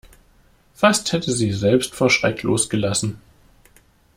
Fast hätte sie selbst vor Schreck losgelassen.